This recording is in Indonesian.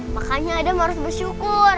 makanya adam harus bersyukur